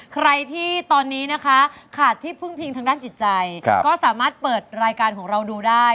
ใครที่ตอนนี้นะคะขาดที่พึ่งพิงทางด้านจิตใจก็สามารถเปิดรายการของเราดูได้